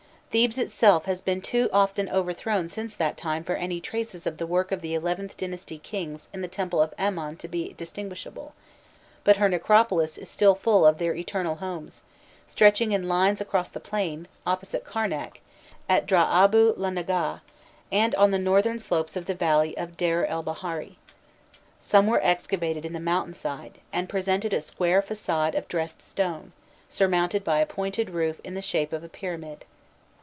Thebes itself has been too often overthrown since that time for any traces of the work of the XIth dynasty kings in the temple of Amon to be distinguishable; but her necropolis is still full of their "eternal homes," stretching in lines across the plain, opposite Karnak, at Drah abû'l Neggah, and on the northern slopes of the valley of Deir el Baharî. Some were excavated in the mountain side, and presented a square façade of dressed stone, surmounted by a pointed roof in the shape of a pyramid.